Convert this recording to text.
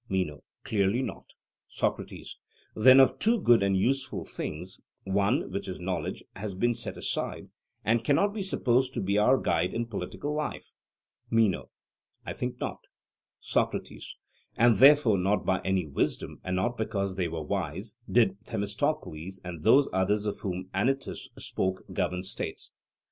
MENO: Clearly not. SOCRATES: Then of two good and useful things, one, which is knowledge, has been set aside, and cannot be supposed to be our guide in political life. MENO: I think not. SOCRATES: And therefore not by any wisdom, and not because they were wise, did Themistocles and those others of whom Anytus spoke govern states.